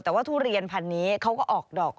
แต่ว่าทุเรียนพันธุ์นี้เขาก็ออกดอก